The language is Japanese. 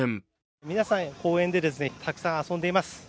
皆さん公園でたくさん遊んでいます。